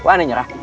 wah ini nyerah